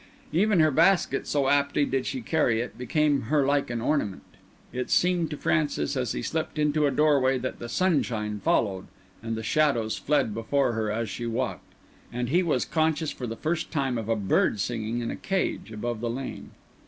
Even her basket, so aptly did she carry it, became her like an ornament. It seemed to Francis, as he slipped into a doorway, that the sunshine followed and the shadows fled before her as she walked; and he was conscious, for the first time, of a bird singing in a cage above the lane.